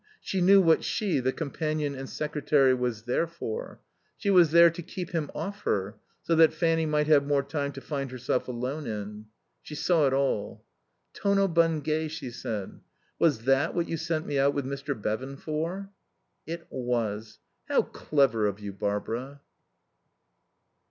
She knew what she, the companion and secretary, was there for. She was there to keep him off her, so that Fanny might have more time to find herself alone in. She saw it all. "'Tono Bungay,'" she said. "Was that what you sent me out with Mr. Bevan for?" "It was. How clever of you, Barbara."